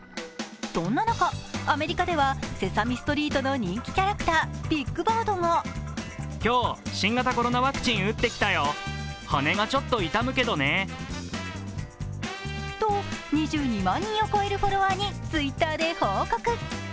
そんな中、アメリカでは「セサミストリート」の人気キャラクター、ビッグバードがと、２２万人を超えるフォロワーにＴｗｉｔｔｅｒで報告。